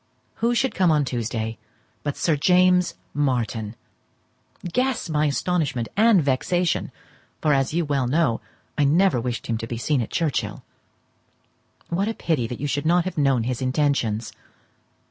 Who should come on Tuesday but Sir James Martin! Guess my astonishment, and vexation—for, as you well know, I never wished him to be seen at Churchhill. What a pity that you should not have known his intentions!